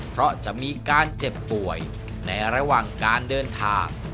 เพราะจะมีการเจ็บป่วยในระหว่างการเดินทาง